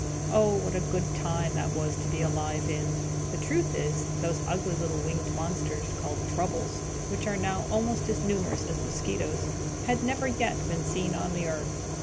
Oh, what a good time was that to be alive in! The truth is, those ugly little winged monsters, called Troubles, which are now almost as numerous as mosquitoes, had never yet been seen on the earth.